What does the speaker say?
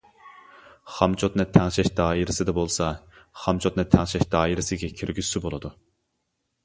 خامچوتنى تەڭشەش دائىرىسىدە بولسا، خامچوتنى تەڭشەش دائىرىسىگە كىرگۈزسە بولىدۇ.